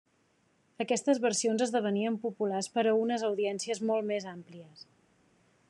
Aquestes versions esdevenien populars per a unes audiències molt més àmplies.